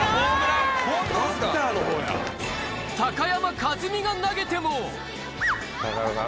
高山一実が投げてもあ！